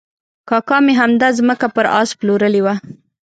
کاکا مې همدا ځمکه پر آس پلورلې وه.